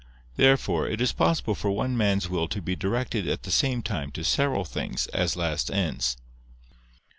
Therefore it is possible for one man's will to be directed at the same time to several things, as last ends.